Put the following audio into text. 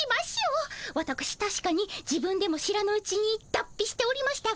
わたくしたしかに自分でも知らぬうちにだっぴしておりましたが